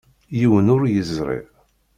Yiwen ur yeẓri.